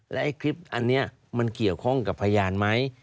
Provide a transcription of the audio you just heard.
และไอ้คลิปอันนี้มันเกี่ยวข้องกับพยานไหม